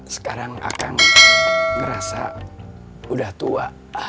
sekarang akan ngerasa udah tua